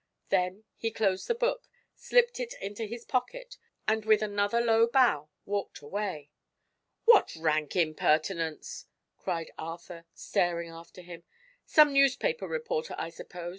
Then he closed the book, slipped it into his pocket and with another low bow walked away. "What rank impertinence!" cried Arthur, staring after him. "Some newspaper reporter, I suppose.